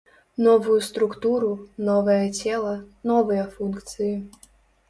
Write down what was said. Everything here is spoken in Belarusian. Новую структуру, новае цела, новыя функцыі.